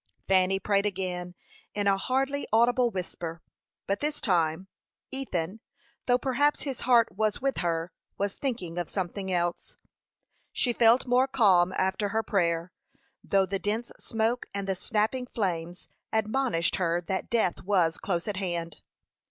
Fanny prayed again, in a hardly audible whisper; but this time, Ethan, though perhaps his heart was with her, was thinking of something else. She felt more calm after her prayer, though the dense smoke and the snapping flames admonished her that death was close at hand.